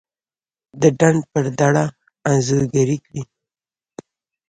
دډنډ پر دړه انځورګري کړي